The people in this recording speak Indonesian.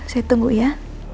saya tunggu ya